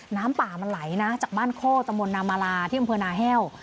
น้ำป่ามันไหลนะจากบ้านโคตะมนตนามาลาที่อำเภอนาแห้ว